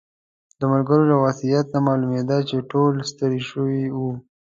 د ملګرو له وضعیت نه معلومېده چې ټول ستړي شوي وو.